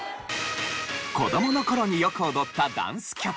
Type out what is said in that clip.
子どもの頃によく踊ったダンス曲。